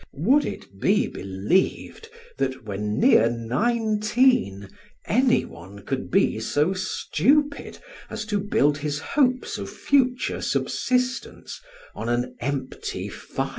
Would it be believed, that when near nineteen, any one could be so stupid as to build his hopes of future subsistence on an empty phial?